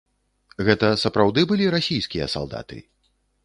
Гэта сапраўды былі расійскія салдаты?